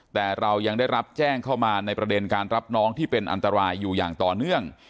แต่เรายังได้รับแจ้งเข้ามาในประเด็นการรับน้องที่เป็นอันตรายอยู่อย่างต่อเนื่อง